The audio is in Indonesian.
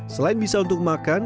selain bisa untuk makan